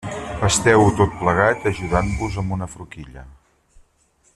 Pasteu-ho tot plegat ajudant-vos amb una forquilla.